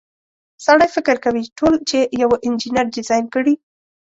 سړی فکر کوي ټول چې یوه انجنیر ډیزاین کړي.